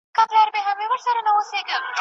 جهاني چي ما یې لار په سترګو فرش کړه